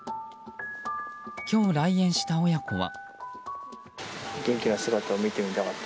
今日、来園した親子は。